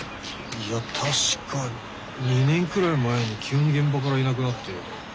いや確か２年くらい前に急に現場からいなくなって。